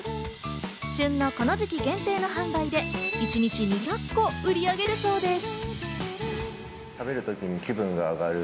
旬のこの時期限定の販売で一日２００個売り上げるそうです。